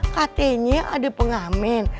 katanya ada pengamen